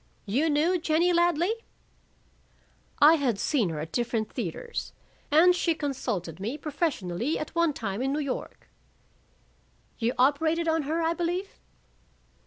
"You knew Jennie Ladley?" "I had seen her at different theaters. And she consulted me professionally at one time in New York." "You operated on her, I believe?"